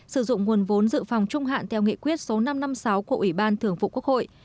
sử dụng nguồn vốn dự phòng trung hạn theo nghị quyết số năm trăm năm mươi sáu của ủy ban thường vụ quốc hội